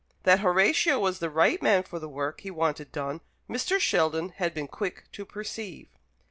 That Horatio was the right man for the work he wanted done, Mr. Sheldon had been quick to perceive.